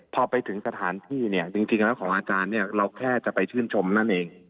พอไปถึงสถานที่เนี่ยจริงแล้วของอาจารย์เนี่ยเราแค่จะไปชื่นชมนั่นเอง